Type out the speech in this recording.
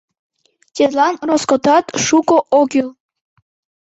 Тидлан роскотат шуко ок кӱл.